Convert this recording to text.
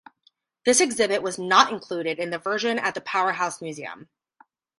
This exhibit was not included in the version at the Powerhouse Museum.